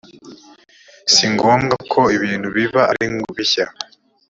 si ngombwa ko ibintu biba ari bishya